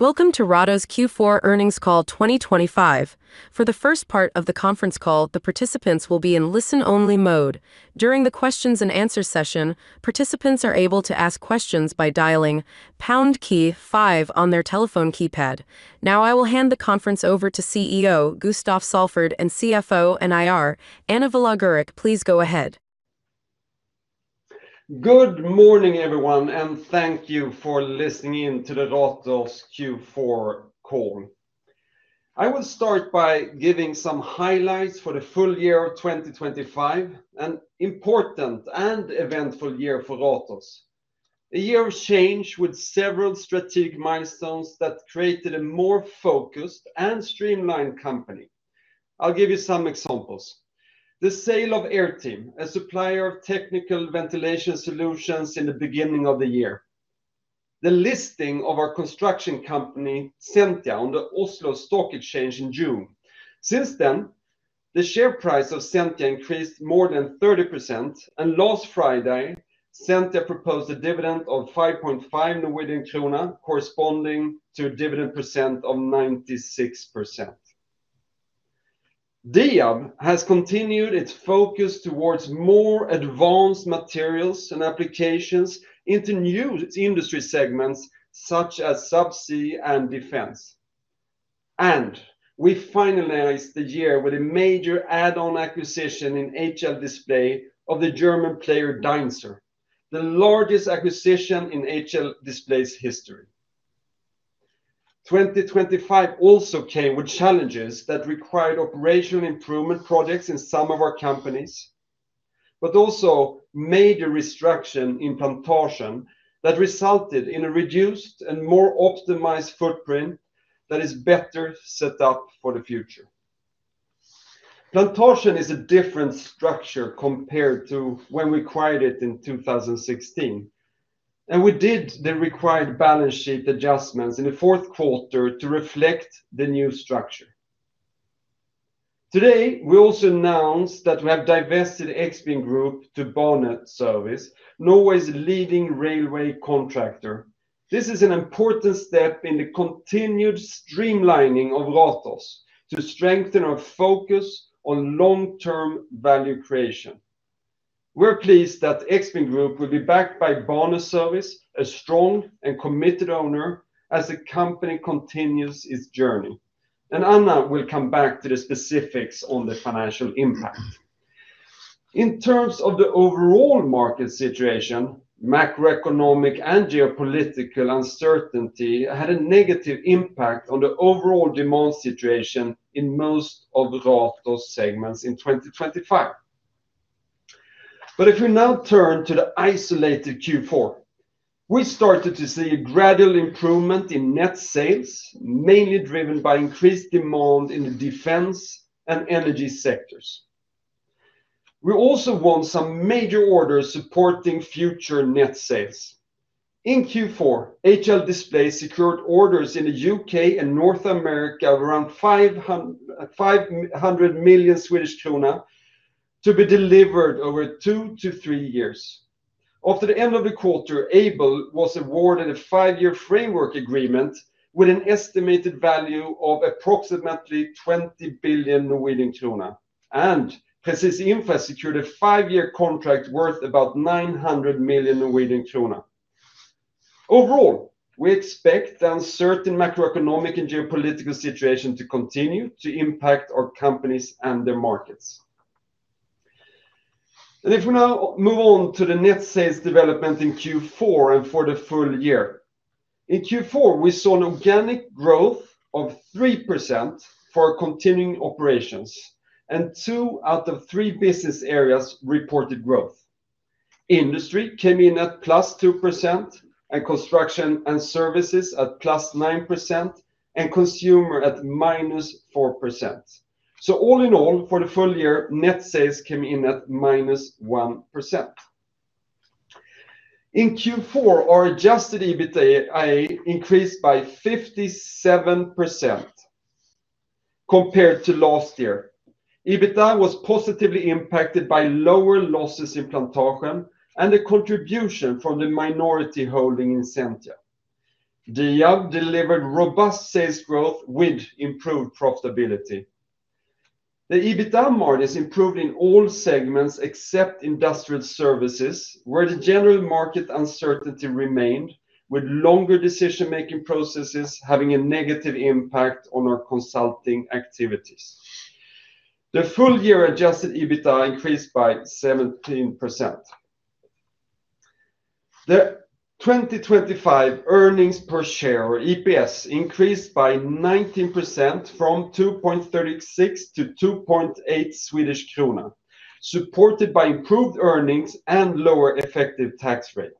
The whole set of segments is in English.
Welcome to Ratos's Q4 earnings call 2025. For the first part of the conference call, the participants will be in listen-only mode. During the questions and answer session, participants are able to ask questions by dialing pound key five on their telephone keypad. Now, I will hand the conference over to CEO, Gustaf Salford, and CFO and IR, Anna Velagurick. Please go ahead. Good morning, everyone, and thank you for listening in to the Ratos Q4 call. I will start by giving some highlights for the full year of 2025, an important and eventful year for Ratos. A year of change with several strategic milestones that created a more focused and streamlined company. I'll give you some examples. The sale of Airteam, a supplier of technical ventilation solutions in the beginning of the year. The listing of our construction company, Sentia, on the Oslo Stock Exchange in June. Since then, the share price of Sentia increased more than 30%, and last Friday, Sentia proposed a dividend of 5.5 Norwegian krone, corresponding to a dividend percent of 96%. Diab has continued its focus towards more advanced materials and applications into new Industry segments such as subsea and defense. We finalized the year with a major add-on acquisition in HL Display of the German player, Deinzer, the largest acquisition in HL Display's history. 2025 also came with challenges that required operational improvement projects in some of our companies, but also major restructure in Plantasjen that resulted in a reduced and more optimized footprint that is better set up for the future. Plantasjen is a different structure compared to when we acquired it in 2016, and we did the required balance sheet adjustments in the fourth quarter to reflect the new structure. Today, we also announced that we have divested Expin Group to Baneservice, Norway's leading railway contractor. This is an important step in the continued streamlining of Ratos to strengthen our focus on long-term value creation. We're pleased that Expin Group will be backed by Baneservice, a strong and committed owner, as the company continues its journey, and Anna will come back to the specifics on the financial impact. In terms of the overall market situation, macroeconomic and geopolitical uncertainty had a negative impact on the overall demand situation in most of Ratos segments in 2025. But if we now turn to the isolated Q4, we started to see a gradual improvement in net sales, mainly driven by increased demand in the defense and energy sectors. We also won some major orders supporting future net sales. In Q4, HL Display secured orders in the U.K. and North America of around 500 million Swedish krona to be delivered over two to three years. After the end of the quarter, Aibel was awarded a five-year framework agreement with an estimated value of approximately 20 billion Norwegian krone, and Presis Infra secured a five-year contract worth about 900 million Norwegian krone. Overall, we expect the uncertain macroeconomic and geopolitical situation to continue to impact our companies and their markets. If we now move on to the net sales development in Q4 and for the full year. In Q4, we saw an organic growth of 3% for continuing operations, and two out of three business areas reported growth. Industry came in at +2%, and Construction & Services at +9%, and Consumer at -4%. All in all, for the full year, net sales came in at -1%. In Q4, our Adjusted EBITDA increased by 57% compared to last year. EBITDA was positively impacted by lower losses in Plantasjen and a contribution from the minority holding in Sentia. Diab delivered robust sales growth with improved profitability. The EBITDA margin is improved in all segments except Industrial Services, where the general market uncertainty remained, with longer decision-making processes having a negative impact on our consulting activities. The full year adjusted EBITDA increased by 17%. The 2025 earnings per share, or EPS, increased by 19% from 2.36 to 2.8 Swedish krona, supported by improved earnings and lower effective tax rate.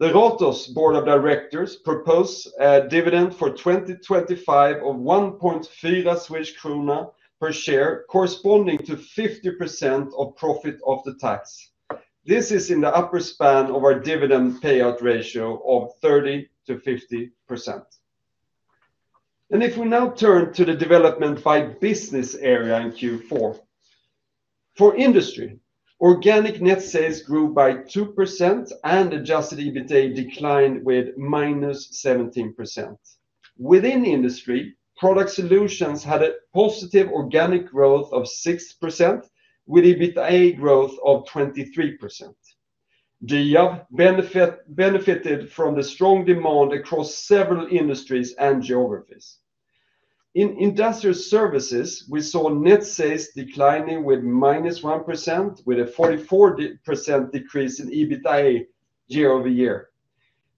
The Ratos board of directors propose a dividend for 2025 of 1.3 krona per share, corresponding to 50% of profit of the tax. This is in the upper span of our dividend payout ratio of 30%-50%. If we now turn to the development by business area in Q4. For industry, organic net sales grew by 2% and Adjusted EBITDA declined with -17%. Within industry, Product Solutions had a positive organic growth of 6% with EBITDA growth of 23%. Diab benefited from the strong demand across several industries and geographies. In Industrial Services, we saw net sales declining with -1%, with a 44% decrease in EBITDA year-over-year.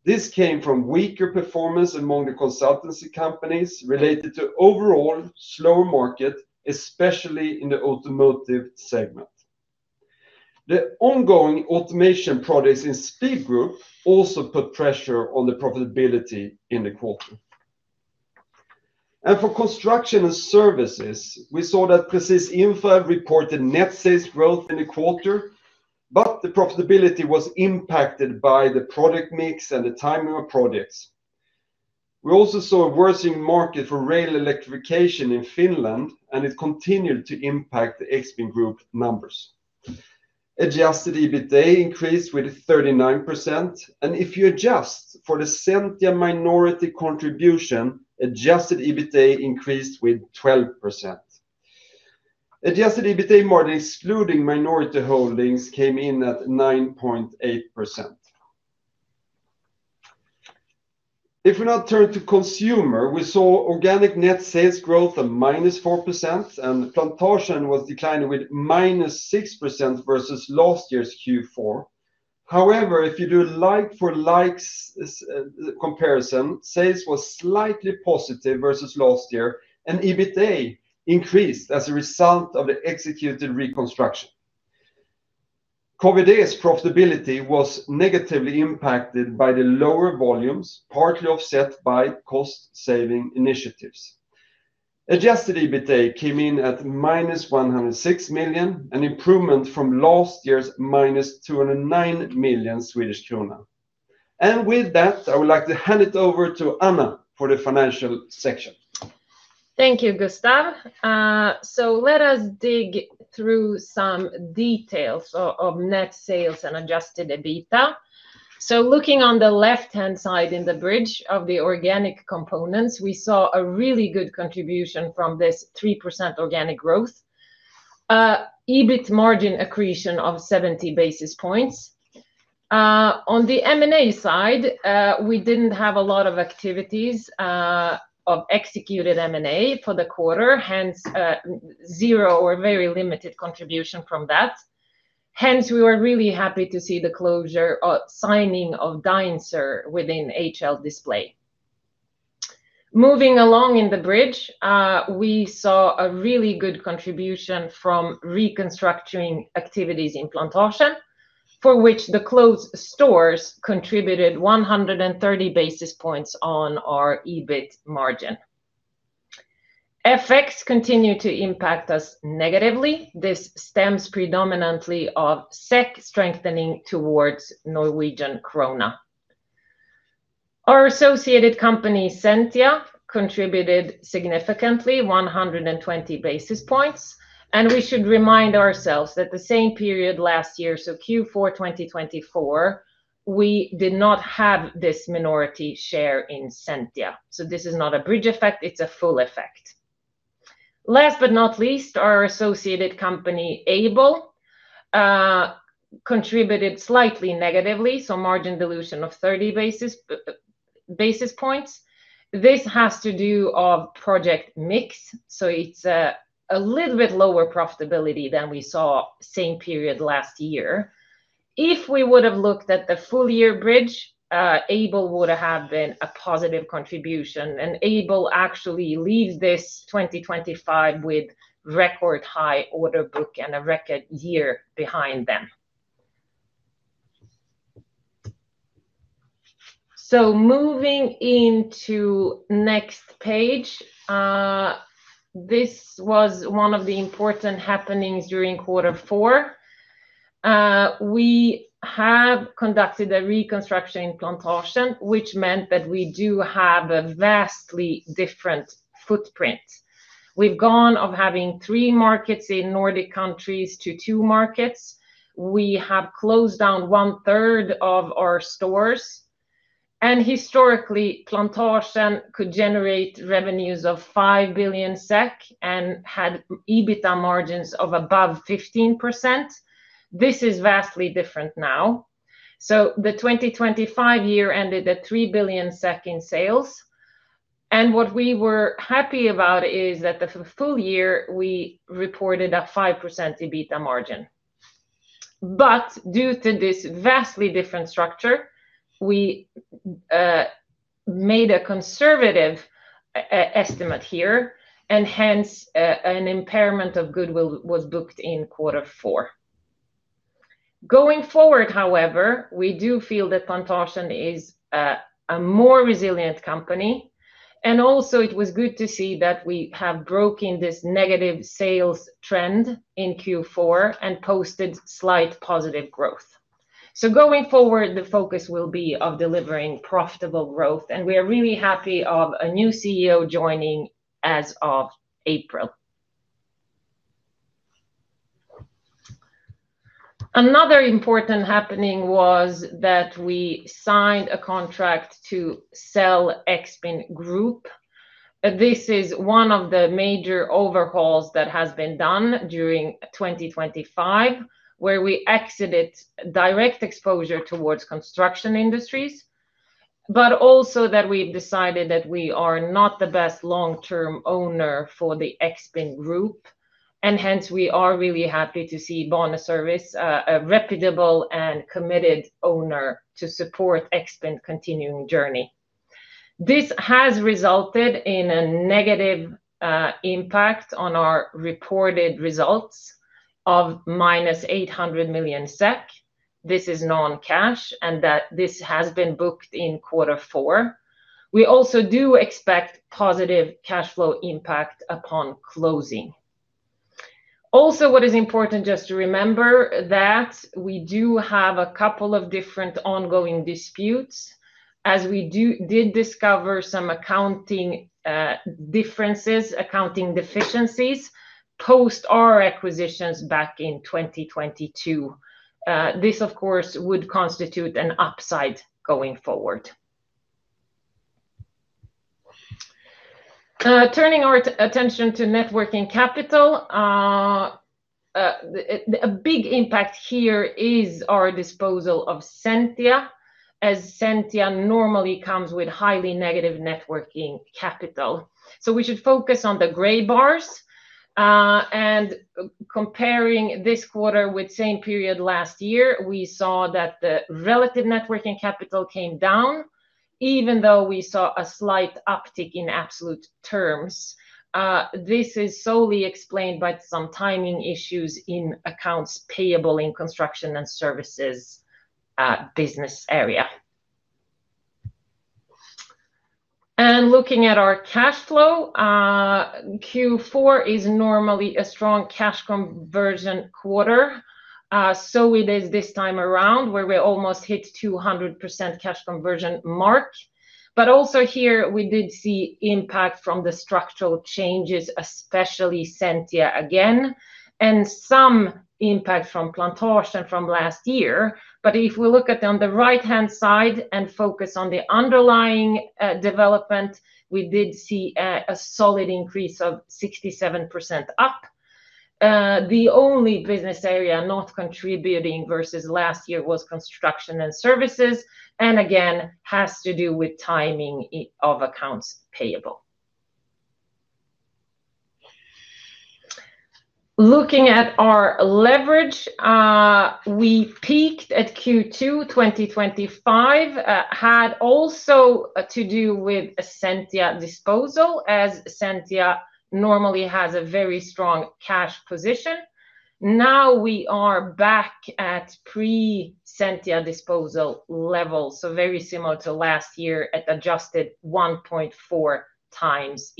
This came from weaker performance among the consultancy companies related to overall slower market, especially in the automotive segment. The ongoing automation projects in Speed Group also put pressure on the profitability in the quarter. For Construction & Services, we saw that Presis Infra reported net sales growth in the quarter, but the profitability was impacted by the product mix and the timing of projects. We also saw a worsening market for rail electrification in Finland, and it continued to impact the Expin Group numbers. Adjusted EBITDA increased with 39%, and if you adjust for the Sentia minority contribution, adjusted EBITDA increased with 12%. Adjusted EBITDA margin, excluding minority holdings, came in at 9.8%. If we now turn to Consumer, we saw organic net sales growth of -4%, and Plantasjen was declining with -6% versus last year's Q4. However, if you do like-for-likes, comparison, sales was slightly positive versus last year, and EBITDA increased as a result of the executed reconstruction. Kvdbil's profitability was negatively impacted by the lower volumes, partly offset by cost-saving initiatives. Adjusted EBITDA came in at -106 million, an improvement from last year's -209 million Swedish krona. With that, I would like to hand it over to Anna for the financial section. Thank you, Gustaf. So let us dig through some details of net sales and adjusted EBITDA. So looking on the left-hand side in the bridge of the organic components, we saw a really good contribution from this 3% organic growth, EBIT margin accretion of 70 basis points. On the M&A side, we didn't have a lot of activities of executed M&A for the quarter, hence, zero or very limited contribution from that. Hence, we were really happy to see the closure, or signing of Deinzer within HL Display. Moving along in the bridge, we saw a really good contribution from restructuring activities in Plantasjen, for which the closed stores contributed 130 basis points on our EBIT margin. Effects continue to impact us negatively. This stems predominantly of SEK strengthening towards Norwegian krone. Our associated company, Sentia, contributed significantly, 120 basis points, and we should remind ourselves that the same period last year, so Q4 2024, we did not have this minority share in Sentia. So this is not a bridge effect, it's a full effect. Last but not least, our associated company, Aibel, contributed slightly negatively, so margin dilution of 30 basis points. This has to do with project mix, so it's a little bit lower profitability than we saw same period last year. If we would have looked at the full year bridge, Aibel would have been a positive contribution, and Aibel actually leaves this 2025 with record high order book and a record year behind them. So moving into next page, this was one of the important happenings during quarter four. We have conducted a reconstruction in Plantasjen, which meant that we do have a vastly different footprint. We've gone from having three markets in Nordic countries to two markets. We have closed down one third of our stores, and historically, Plantasjen could generate revenues of 5 billion SEK and had EBITDA margins of above 15%. This is vastly different now. The 2025 year ended at 3 billion SEK in sales, and what we were happy about is that the full year, we reported a 5% EBITDA margin. But due to this vastly different structure, we made a conservative estimate here, and hence, an impairment of goodwill was booked in quarter four. Going forward, however, we do feel that Plantasjen is a more resilient company, and also it was good to see that we have broken this negative sales trend in Q4 and posted slight positive growth. So going forward, the focus will be on delivering profitable growth, and we are really happy about a new CEO joining as of April. Another important happening was that we signed a contract to sell Expin Group. This is one of the major overhauls that has been done during 2025, where we exited direct exposure towards construction industries, but also that we decided that we are not the best long-term owner for the Expin Group. And hence, we are really happy to see Baneservice, a reputable and committed owner to support Expin's continuing journey. This has resulted in a negative impact on our reported results of -800 million SEK. This is non-cash, and that this has been booked in quarter four. We also do expect positive cash flow impact upon closing. Also, what is important just to remember that we do have a couple of different ongoing disputes, as we did discover some accounting differences, accounting deficiencies, post our acquisitions back in 2022 this, of course, will constitute an upside going forwrd. Turning our attention to net working capital, a big impact here is our disposal of Sentia, as Sentia normally comes with highly negative net working capital. So we should focus on the gray bars. Comparing this quarter with same period last year, we saw that the relative net working capital came down, even though we saw a slight uptick in absolute terms. This is solely explained by some timing issues in accounts payable in Construction & Services business area. Looking at our cash flow, Q4 is normally a strong cash conversion quarter. So it is this time around, where we almost hit 200% cash conversion mark. But also here, we did see impact from the structural changes, especially Sentia again, and some impact from Plantasjen from last year. If we look at on the right-hand side and focus on the underlying development, we did see a solid increase of 67% up. The only business area not contributing versus last year was Construction & Services, and again, has to do with timing of accounts payable. Looking at our leverage, we peaked at Q2 2025, had also to do with a Sentia disposal, as Sentia normally has a very strong cash position. Now, we are back at pre-Sentia disposal level, so very similar to last year at adjusted 1.4x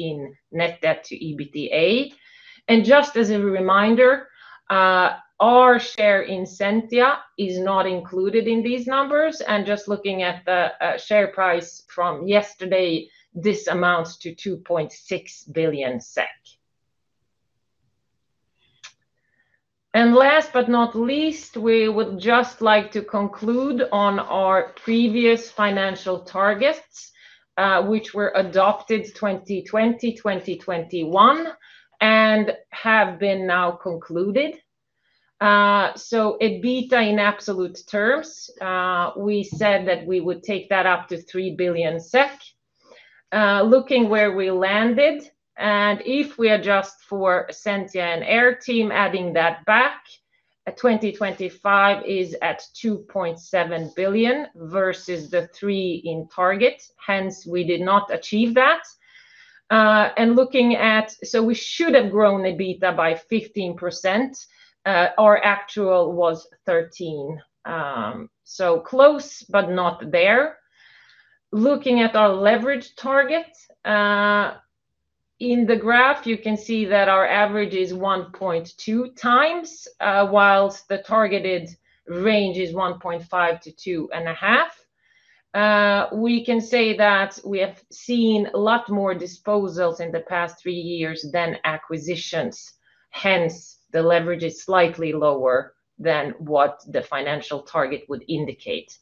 net debt to EBITDA. And just as a reminder, our share in Sentia is not included in these numbers, and just looking at the share price from yesterday, this amounts to 2.6 billion SEK. And last but not least, we would just like to conclude on our previous financial targets, which were adopted 2020, 2021, and have been now concluded. So EBITDA in absolute terms, we said that we would take that up to 3 billion SEK. Looking where we landed, and if we adjust for Sentia and Airteam, adding that back, 2025 is at 2.7 billion versus the three in target. Hence, we did not achieve that. So we should have grown EBITDA by 15%. Our actual was 13%. So close, but not there. Looking at our leverage target, in the graph, you can see that our average is 1.2x, whilst the targeted range is 1.5-2.5. We can say that we have seen a lot more disposals in the past three years than acquisitions. Hence, the leverage is slightly lower than what the financial target would indicate.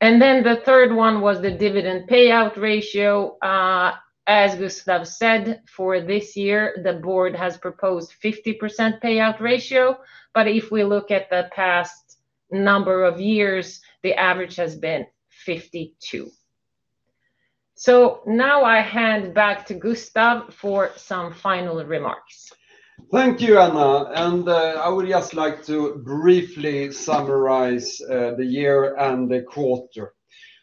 Then the third one was the dividend payout ratio. As Gustaf said, for this year, the board has proposed 50% payout ratio. If we look at the past number of years, the average has been 52%. Now I hand back to Gustaf for some final remarks. Thank you, Anna, and, I would just like to briefly summarize, the year and the quarter.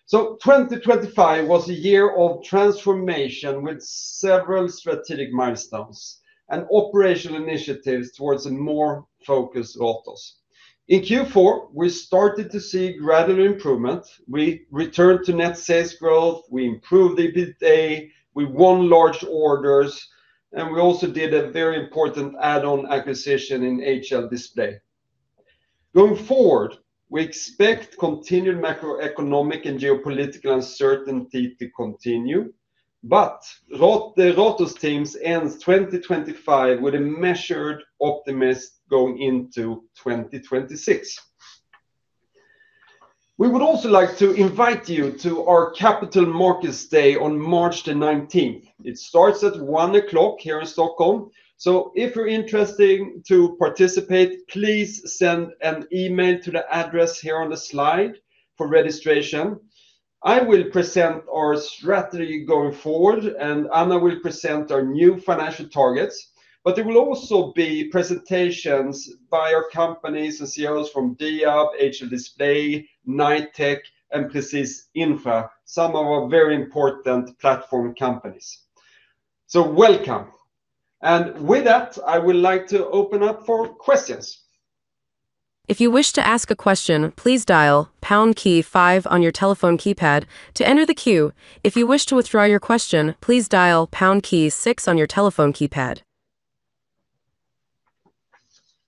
So 2025 was a year of transformation with several strategic milestones and operational initiatives towards a more focused Ratos. In Q4, we started to see gradual improvement. We returned to net sales growth, we improved the EBITDA, we won large orders, and we also did a very important add-on acquisition in HL Display.... Going forward, we expect continued macroeconomic and geopolitical uncertainty to continue, but the Ratos team ends 2025 with a measured optimism going into 2026. We would also like to invite you to our Capital Markets Day on March the 19th. It starts at one o'clock here in Stockholm, so if you're interested to participate, please send an email to the address here on the slide for registration. I will present our strategy going forward, and Anna will present our new financial targets. But there will also be presentations by our companies and CEOs from Diab, HL Display, Knightec, and Presis Infra, some of our very important platform companies. So welcome. And with that, I would like to open up for questions. If you wish to ask a question, please dial pound key five on your telephone keypad to enter the queue. If you wish to withdraw your question, please dial pound key six on your telephone keypad.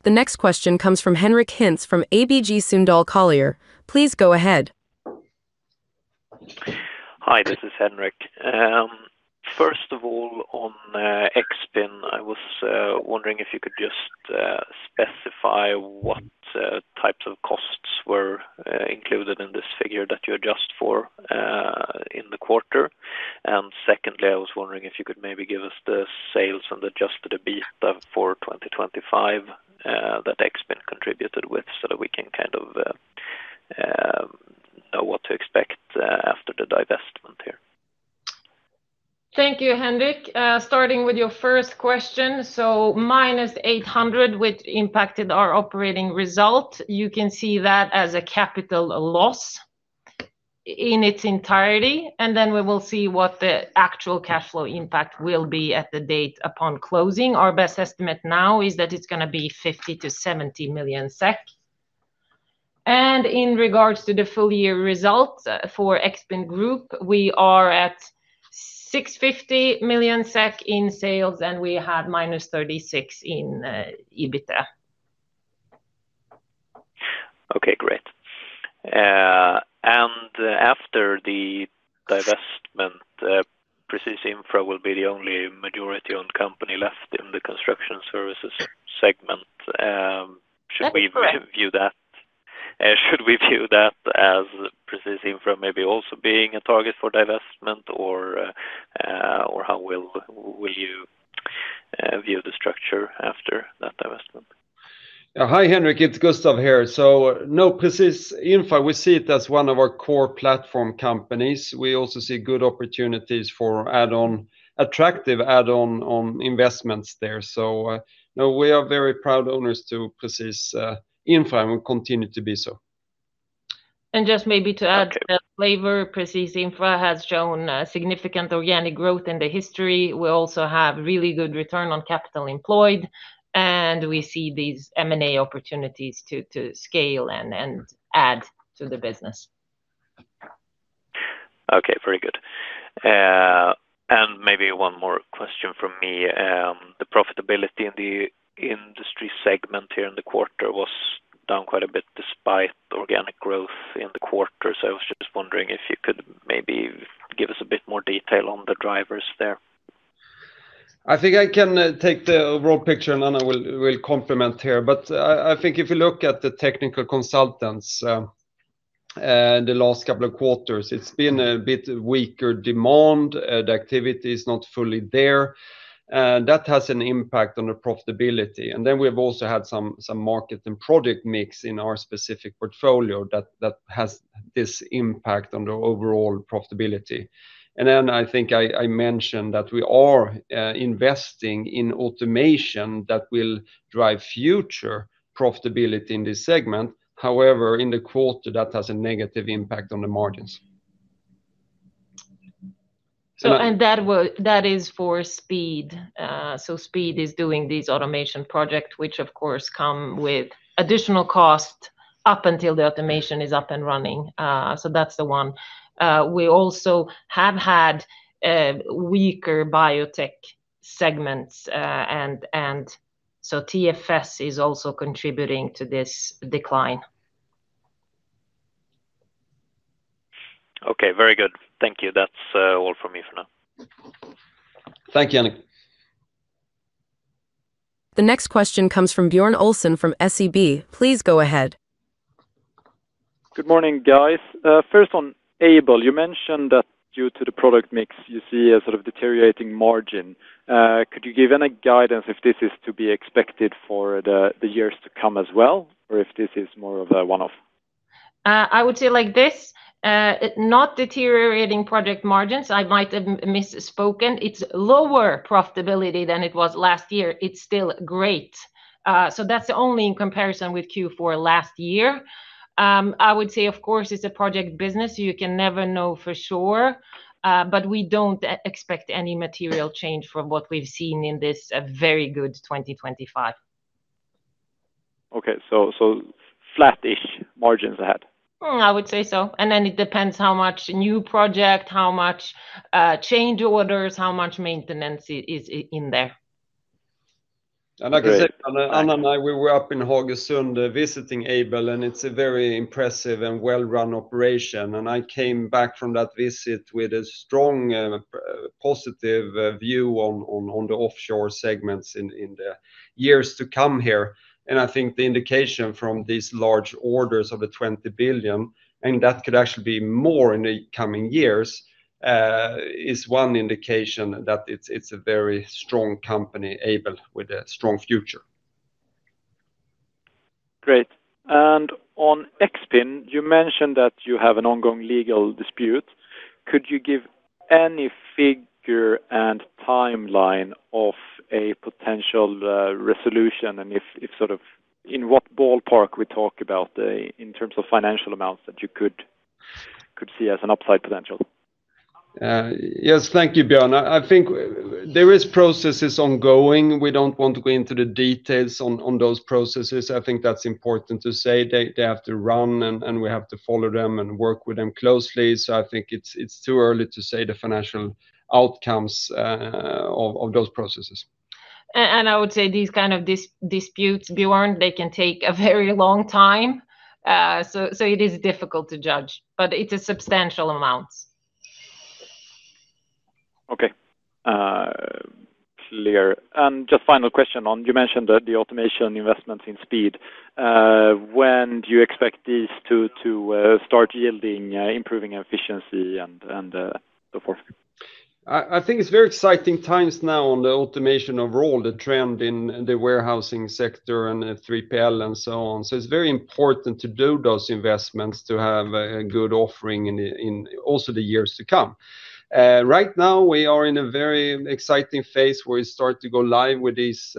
The next question comes from Henrik Hinz from ABG Sundal Collier. Please go ahead. Hi, this is Henrik. First of all, on Expin, I was wondering if you could just specify what types of costs were included in this figure that you adjust for in the quarter? And secondly, I was wondering if you could maybe give us the sales and adjusted EBITDA for 2025 that Expin contributed with, so that we can kind of know what to expect after the divestment here. Thank you, Henrik. Starting with your first question, so -800, which impacted our operating result, you can see that as a capital loss in its entirety, and then we will see what the actual cash flow impact will be at the date upon closing. Our best estimate now is that it's gonna be 50 million-70 million SEK. In regards to the full year results for Expin Group, we are at 650 million SEK in sales, and we had -36 million in EBITDA. Okay, great. And after the divestment, Presis Infra will be the only majority-owned company left in the construction services segment. That is correct. Should we view that as Presis Infra maybe also being a target for divestment? Or, how will you view the structure after that divestment? Hi, Henrik, it's Gustaf here. So no, Presis Infra, we see it as one of our core platform companies. We also see good opportunities for add-on, attractive add-on on investments there. So, no, we are very proud owners to Presis, Infra, and we continue to be so. Just maybe to add flavor, Presis Infra has shown significant organic growth in the history. We also have really good return on capital employed, and we see these M&A opportunities to scale and add to the business. Okay, very good. Maybe one more question from me. The profitability in the Industry segment here in the quarter was down quite a bit despite the organic growth in the quarter. I was just wondering if you could maybe give us a bit more detail on the drivers there. I think I can take the overall picture, and Anna will complement here. But I think if you look at the technical consultants, in the last couple of quarters, it's been a bit weaker demand. The activity is not fully there, and that has an impact on the profitability. And then we've also had some market and product mix in our specific portfolio that has this impact on the overall profitability. And then I think I mentioned that we are investing in automation that will drive future profitability in this segment. However, in the quarter, that has a negative impact on the margins. That is for Speed. So Speed is doing this automation project, which, of course, come with additional cost up until the automation is up and running. So that's the one. We also have had weaker biotech segments, and so TFS is also contributing to this decline. Okay, very good. Thank you. That's all from me for now. Thank you, Henrik. The next question comes from Björn Olson from SEB. Please go ahead. Good morning, guys. First on Aibel, you mentioned that due to the product mix, you see a sort of deteriorating margin. Could you give any guidance if this is to be expected for the years to come as well, or if this is more of a one-off? I would say like this, it not deteriorating project margins, I might have misspoken. It's lower profitability than it was last year. It's still great. So that's only in comparison with Q4 last year. I would say, of course, it's a project business, you can never know for sure, but we don't expect any material change from what we've seen in this very good 2025. Okay, so, so flat-ish margins ahead? Mm, I would say so. And then it depends how much new project, how much, change orders, how much maintenance is in there. And like I said, Anna and I, we were up in Haugesund visiting Aibel, and it's a very impressive and well-run operation. And I came back from that visit with a strong, positive view on the offshore segments in the years to come here. And I think the indication from these large orders of 20 billion, and that could actually be more in the coming years, is one indication that it's a very strong company, Aibel, with a strong future. Great. On Expin, you mentioned that you have an ongoing legal dispute. Could you give any figure and timeline of a potential resolution? And if sort of, in what ballpark we talk about in terms of financial amounts that you could see as an upside potential? Yes, thank you, Björn. I think there is processes ongoing. We don't want to go into the details on those processes. I think that's important to say. They have to run, and we have to follow them and work with them closely. So I think it's too early to say the financial outcomes of those processes. And I would say these kind of disputes, Bjorn, they can take a very long time, so, so it is difficult to judge, but it is substantial amounts. Okay. Clear. Just final question on... You mentioned that the automation investments in Speed. When do you expect these to start yielding, improving efficiency and so forth? I think it's very exciting times now on the automation overall, the trend in the warehousing sector and 3PL, and so on. So it's very important to do those investments, to have a good offering in also the years to come. Right now, we are in a very exciting phase where we start to go live with these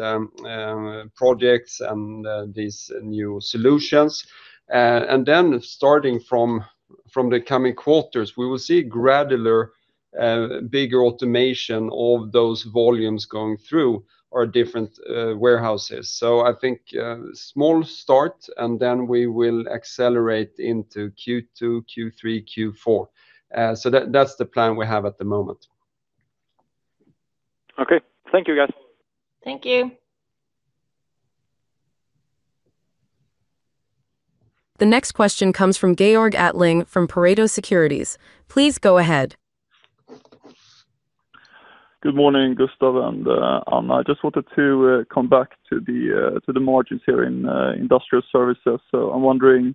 projects and these new solutions. And then starting from the coming quarters, we will see gradual bigger automation of those volumes going through our different warehouses. So I think small start, and then we will accelerate into Q2, Q3, Q4. So that, that's the plan we have at the moment. Okay. Thank you, guys. Thank you. The next question comes from Georg Attling from Pareto Securities. Please go ahead. Good morning, Gustaf and Anna. I just wanted to come back to the margins here in Industrial Services. So I'm wondering,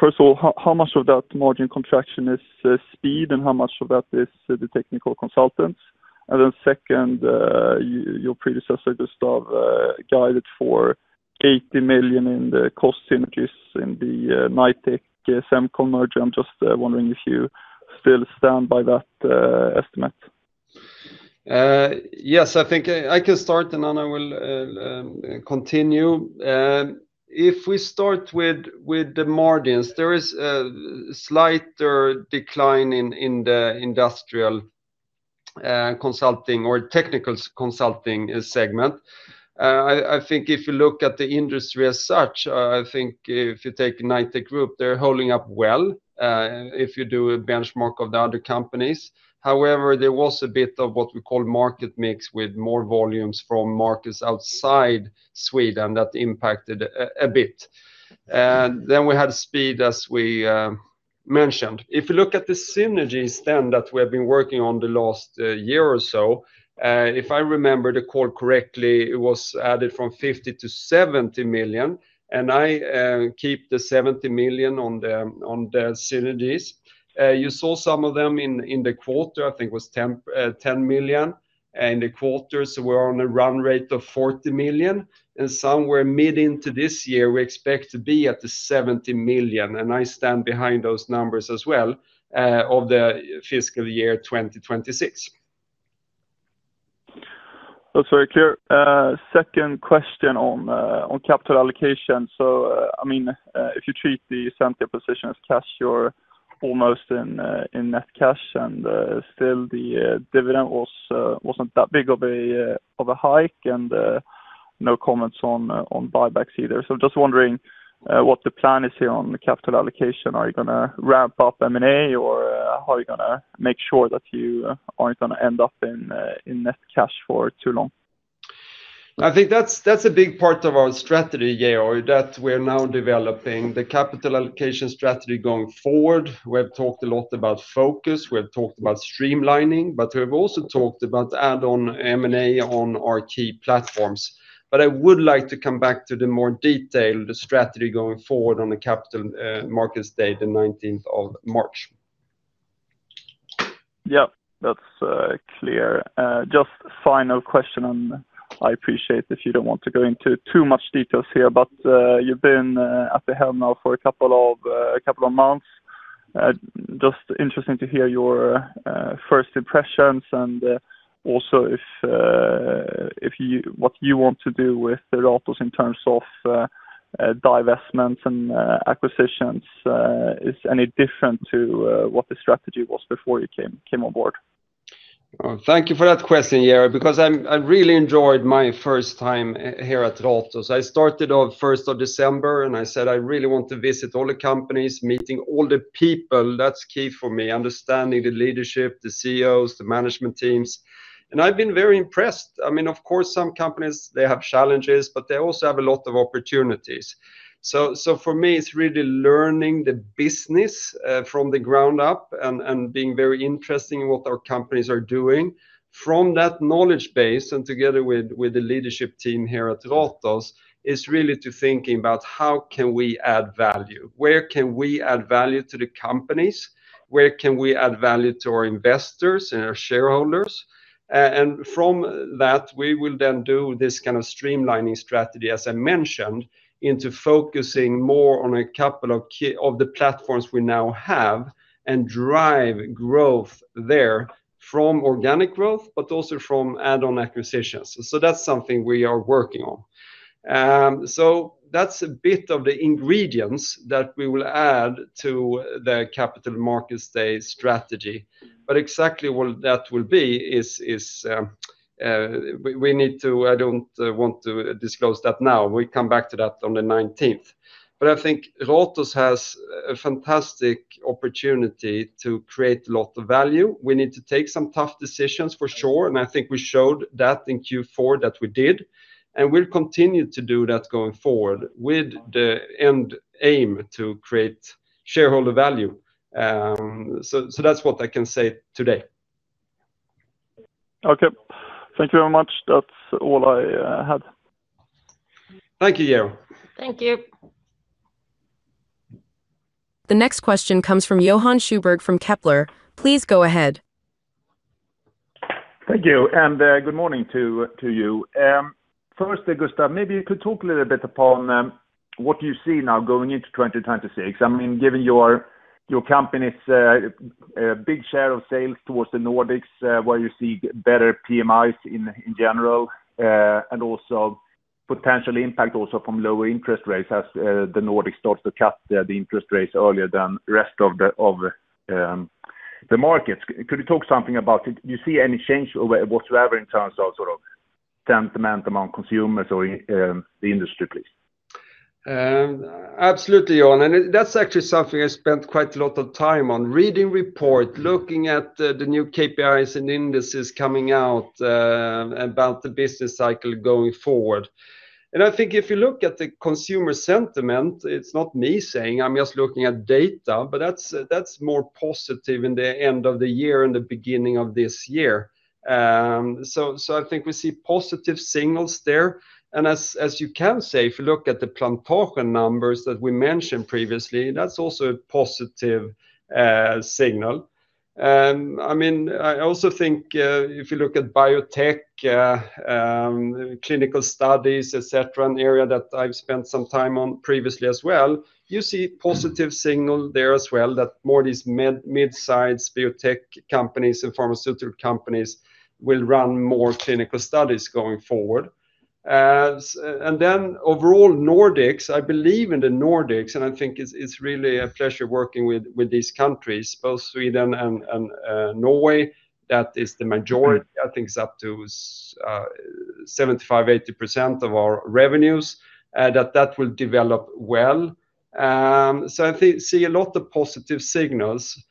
first of all, how much of that margin contraction is speed, and how much of that is the technical consultants? And then second, your predecessor, Gustaf, guided for 80 million in the cost synergies in the Knightec, Semcon merger. I'm just wondering if you still stand by that estimate. Yes, I think I can start, and Anna will continue. If we start with the margins, there is a slighter decline in the industrial consulting or technical consulting segment. I think if you look at the Industry as such, I think if you take Knightec Group, they're holding up well, if you do a benchmark of the other companies. However, there was a bit of what we call market mix, with more volumes from markets outside Sweden that impacted a bit. Then we had Speed, as we mentioned. If you look at the synergies then that we have been working on the last, year or so, if I remember the call correctly, it was added from 50 million to 70 million, and I, keep the 70 million on the, on the synergies. You saw some of them in, in the quarter. I think it was 10, 10 million in the quarter, so we're on a run rate of 40 million. And somewhere mid into this year, we expect to be at the 70 million, and I stand behind those numbers as well, of the fiscal year 2026. That's very clear. Second question on capital allocation. So, I mean, if you treat the central position as cash, you're almost in net cash, and still the dividend wasn't that big of a hike, and no comments on buybacks either. So just wondering what the plan is here on the capital allocation. Are you gonna ramp up M&A, or how are you gonna make sure that you aren't gonna end up in net cash for too long? I think that's a big part of our strategy, Georg, that we're now developing the capital allocation strategy going forward. We have talked a lot about focus, we have talked about streamlining, but we have also talked about add-on M&A on our key platforms. But I would like to come back to the more detail, the strategy going forward on the Capital Markets Day, the 19th of March. Yep. That's clear. Just final question, and I appreciate if you don't want to go into too much details here, but you've been at the helm now for a couple of months. Just interesting to hear your first impressions and also if what you want to do with the Ratos in terms of divestments and acquisitions is any different to what the strategy was before you came on board? Oh, thank you for that question, Georg, because I'm, I really enjoyed my first time here at Ratos. I started on first of December, and I said I really want to visit all the companies, meeting all the people. That's key for me, understanding the leadership, the CEOs, the management teams, and I've been very impressed. I mean, of course, some companies, they have challenges, but they also have a lot of opportunities. So, so for me, it's really learning the business, from the ground up and, and being very interested in what our companies are doing. From that knowledge base, and together with, with the leadership team here at Ratos, is really to thinking about how can we add value? Where can we add value to the companies? Where can we add value to our investors and our shareholders? From that, we will then do this kind of streamlining strategy, as I mentioned, into focusing more on a couple of key... Of the platforms we now have, and drive growth there from organic growth, but also from add-on acquisitions. So that's something we are working on. So that's a bit of the ingredients that we will add to the Capital Markets Day strategy. But exactly what that will be is, we need to... I don't want to disclose that now. We come back to that on the nineteenth. But I think Ratos has a fantastic opportunity to create a lot of value. We need to take some tough decisions, for sure, and I think we showed that in Q4, that we did, and we'll continue to do that going forward with the end aim to create shareholder value. So that's what I can say today. Okay. Thank you very much. That's all I had. Thank you, Jared. Thank you. The next question comes from Johan Schubert from Kepler. Please go ahead. Thank you, and, good morning to you. Firstly, Gustaf, maybe you could talk a little bit upon what you see now going into 2026. I mean, given your company's big share of sales towards the Nordics, where you see better PMIs in general, and also potential impact also from lower interest rates as the Nordics starts to cut the interest rates earlier than the rest of the markets. Could you talk something about it? Do you see any change whatsoever in terms of sort of sentiment among Consumers or the industry, please? Absolutely, Johan, and that's actually something I spent quite a lot of time on, reading report, looking at the new KPIs and indices coming out about the business cycle going forward. And I think if you look at the Consumer sentiment, it's not me saying, I'm just looking at data, but that's more positive in the end of the year and the beginning of this year. So, I think we see positive signals there. And as you can say, if you look at the Plantasjen numbers that we mentioned previously, that's also a positive signal. I mean, I also think, if you look at biotech, clinical studies, et cetera, an area that I've spent some time on previously as well, you see positive signal there as well, that more these mid, mid-sized biotech companies and pharmaceutical companies will run more clinical studies going forward. And then overall, Nordics, I believe in the Nordics, and I think it's really a pleasure working with these countries, both Sweden and Norway. That is the majority, I think it's up to 75%-80% of our revenues, that will develop well. So I see a lot of positive signals.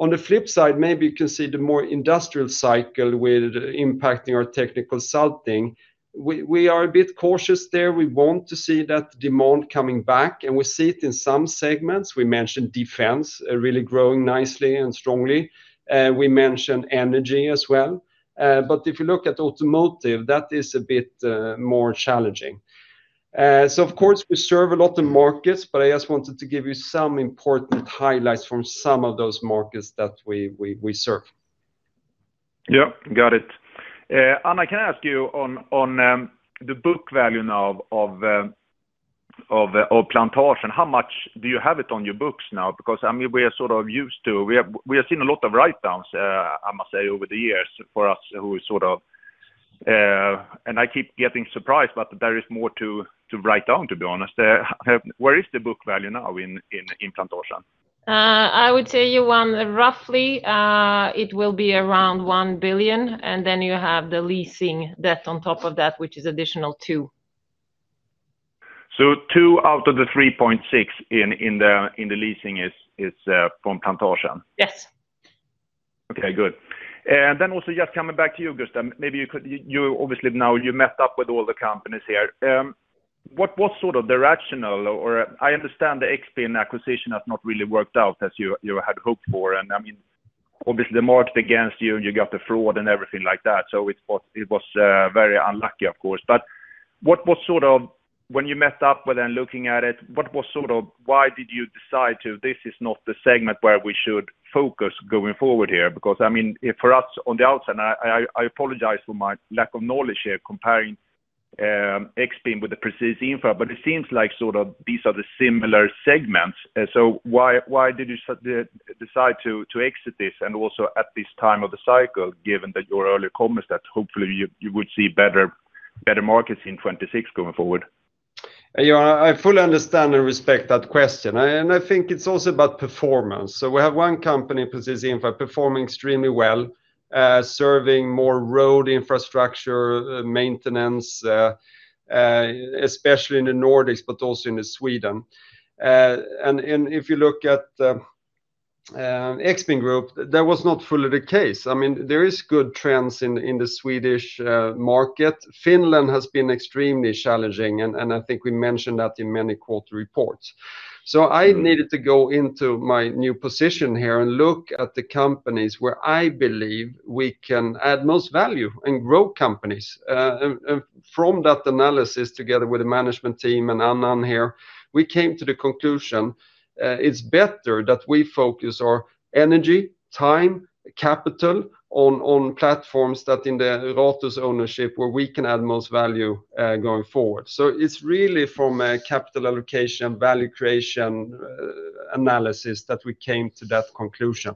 On the flip side, maybe you can see the more industrial cycle with impacting our technical consulting. We are a bit cautious there. We want to see that demand coming back, and we see it in some segments. We mentioned defense, really growing nicely and strongly, we mentioned energy as well. But if you look at automotive, that is a bit, more challenging. So of course, we serve a lot of markets, but I just wanted to give you some important highlights from some of those markets that we serve. Yep, got it. Anna, can I ask you on, on, the book value now of, of, of, of Plantasjen, how much do you have it on your books now? Because, I mean, we are sort of used to... We have, we have seen a lot of write-downs, I must say, over the years for us, who is sort of... And I keep getting surprised, but there is more to, to write down, to be honest. Where is the book value now in, in, in Plantasjen? I would tell you, Johan, roughly, it will be around 1 billion, and then you have the leasing debt on top of that, which is additional 2 billion. 2 million out of the 3.6 in the leasing is from Plantasjen? Yes. Okay, good. And then also, just coming back to you, Gustaf, maybe you could. You obviously now you met up with all the companies here. What was sort of the rational or I understand the Expin acquisition has not really worked out as you had hoped for, and I mean, obviously, the market against you, and you got the fraud and everything like that, so it was very unlucky, of course. But what was sort of- when you met up with and looking at it, what was sort of... Why did you decide to, this is not the segment where we should focus going forward here? Because, I mean, for us on the outside, and I apologize for my lack of knowledge here, comparing Expin with the Presis Infra, but it seems like sort of these are the similar segments. So why did you decide to exit this and also at this time of the cycle, given that your early comments that hopefully you would see better markets in 2026 going forward?... Yeah, I fully understand and respect that question. I, and I think it's also about performance. So we have one company, Presis Infra, performing extremely well, serving more road infrastructure maintenance, especially in the Nordics, but also in Sweden. And if you look at Expin Group, that was not fully the case. I mean, there is good trends in the Swedish market. Finland has been extremely challenging, and I think we mentioned that in many quarter reports. So I needed to go into my new position here and look at the companies where I believe we can add most value and grow companies. From that analysis, together with the management team and Anna here, we came to the conclusion, it's better that we focus our energy, time, capital on platforms that in the Ratos ownership, where we can add most value, going forward. So it's really from a capital allocation, value creation, analysis that we came to that conclusion.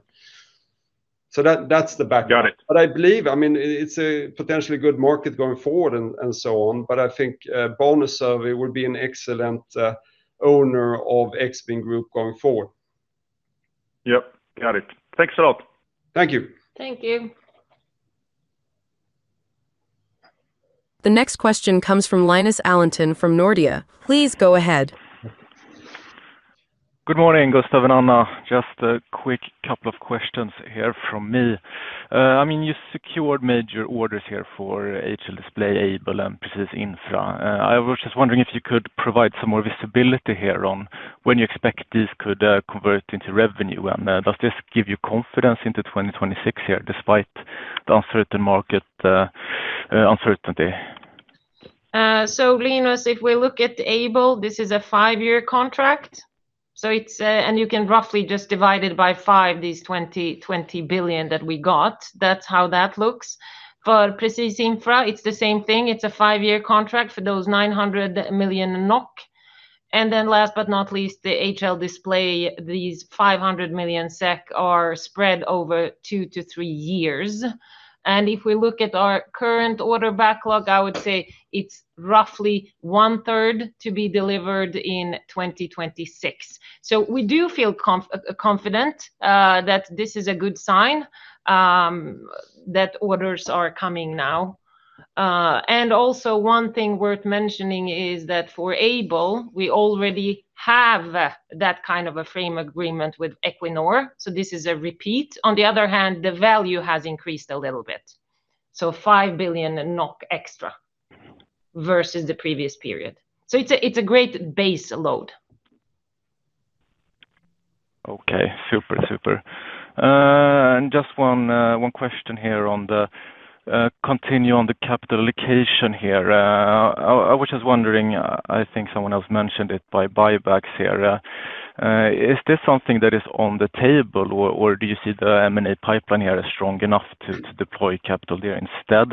So that, that's the background. Got it. But I believe, I mean, it, it's a potentially good market going forward and, and so on, but I think, Baneservice would be an excellent owner of Expin Group going forward. Yep. Got it. Thanks a lot. Thank you. Thank you. The next question comes from Linus Allenton from Nordea. Please go ahead. Good morning, Gustaf and Anna. Just a quick couple of questions here from me. I mean, you secured major orders here for HL Display, Aibel, and Presis Infra. I was just wondering if you could provide some more visibility here on when you expect this could convert into revenue? And, does this give you confidence into 2026 here, despite the uncertain market, uncertainty? So Linus, if we look at Aibel, this is a five-year contract, so it's. And you can roughly just divide it by five, these 20 billion that we got. That's how that looks. For Presis Infra, it's the same thing. It's a 5-year contract for those 900 million NOK. And then last but not least, the HL Display, these 500 million SEK are spread over two to three years. And if we look at our current order backlog, I would say it's roughly one third to be delivered in 2026. So we do feel confident that this is a good sign, that orders are coming now. And also one thing worth mentioning is that for Aibel, we already have that kind of a framework agreement with Equinor, so this is a repeat. On the other hand, the value has increased a little bit, so 5 billion NOK extra versus the previous period. So it's a great base load. Okay. Super, super. And just one question here on the continue on the capital allocation here. I was just wondering. I think someone else mentioned it by buybacks here. Is this something that is on the table, or do you see the M&A pipeline here as strong enough to deploy capital there instead?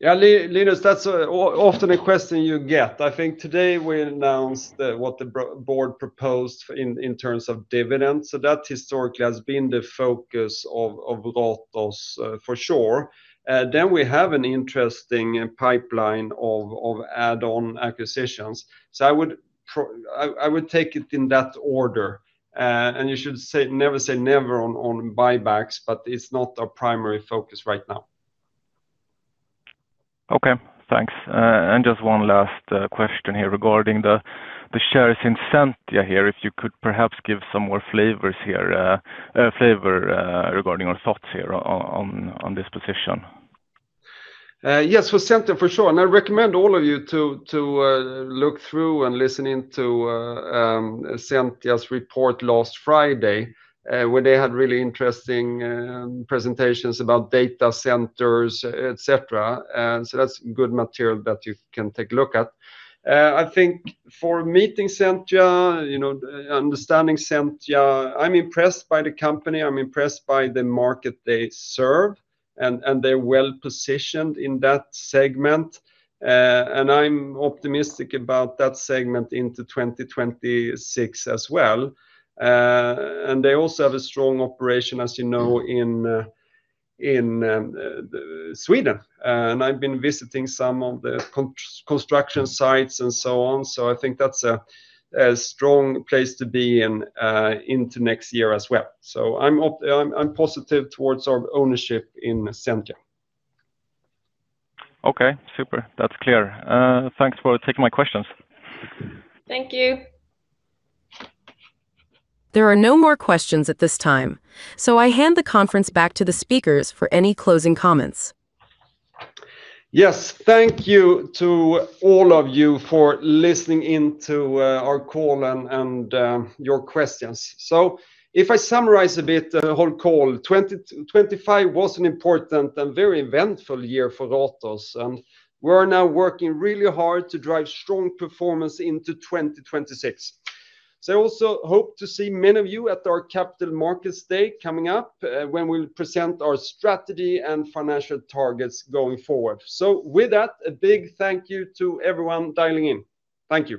Yeah, Linus, that's often a question you get. I think today we announced what the board proposed in terms of dividends, so that historically has been the focus of Ratos, for sure. Then we have an interesting pipeline of add-on acquisitions. So I would take it in that order. And you should say, never say never on buybacks, but it's not our primary focus right now. Okay, thanks. And just one last question here regarding the shares in Sentia here. If you could perhaps give some more flavor here regarding your thoughts here on this position. Yes, for Sentia, for sure, and I recommend all of you to look through and listening to Sentia's report last Friday, where they had really interesting presentations about data centers, et cetera. So that's good material that you can take a look at. I think for meeting Sentia, you know, understanding Sentia, I'm impressed by the company, I'm impressed by the market they serve, and they're well-positioned in that segment. And I'm optimistic about that segment into 2026 as well. And they also have a strong operation, as you know, in Sweden, and I've been visiting some of the construction sites and so on. So I think that's a strong place to be in into next year as well. So I'm opt... I'm positive towards our ownership in Sentia. Okay, super. That's clear. Thanks for taking my questions. Thank you. There are no more questions at this time, so I hand the conference back to the speakers for any closing comments. Yes, thank you to all of you for listening in to our call and your questions. So if I summarize a bit the whole call, 2025 was an important and very eventful year for Ratos, and we are now working really hard to drive strong performance into 2026. So I also hope to see many of you at our Capital Markets Day coming up, when we'll present our strategy and financial targets going forward. So with that, a big thank you to everyone dialing in. Thank you.